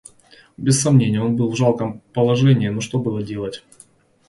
Без сомнения, он был в жалком положении, но что было делать?